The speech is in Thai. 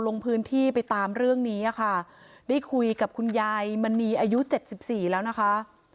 ลงพื้นที่ไปตามเรื่องนี้ค่ะได้คุยกับคุณยายมณีอายุเจ็ดสิบสี่แล้วนะคะ